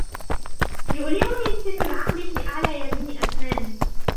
يؤلمني سن العقل في أعلى يمين أسناني.